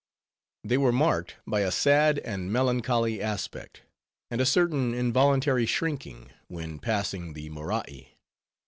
They were marked by a sad and melancholy aspect, and a certain involuntary shrinking, when passing the Morai.